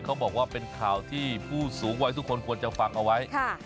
เขาบอกว่าเป็นข่าวที่ผู้สูงวัยทุกคนควรจะฟังเอาไว้